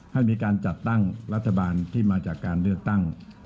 ให้มีการจัดตั้งรัฐบาลที่มาจากการเลือกตั้ง